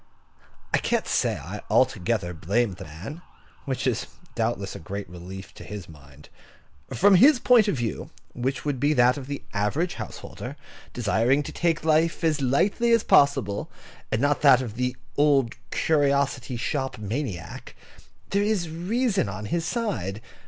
I can't say I altogether blame the man (which is doubtless a great relief to his mind). From his point of view, which would be that of the average householder, desiring to take life as lightly as possible, and not that of the old curiosity shop maniac, there is reason on his side.